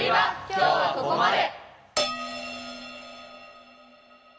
今日はここまで。